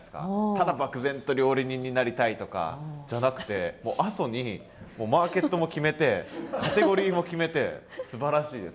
ただ漠然と料理人になりたいとかじゃなくて阿蘇にもうマーケットも決めてカテゴリーも決めてすばらしいです